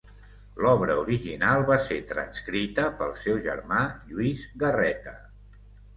L'obra original va ser transcrita pel seu germà Lluís Garreta.